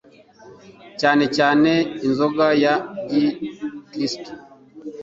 Cyane cyane inzoga ya gi kristu